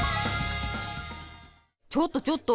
ちょっとちょっと！